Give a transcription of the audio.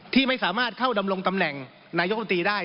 ที่ไม่สามารถเข้าดำรงตำแหน่งนายกรรมตรีได้